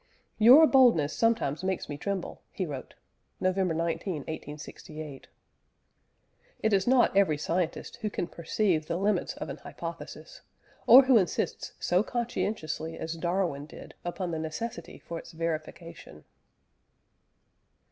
"Your boldness sometimes makes me tremble," he wrote (November 19, 1868). It is not every scientist who can perceive the limits of an hypothesis, or who insists so conscientiously as Darwin did, upon the necessity for its verification.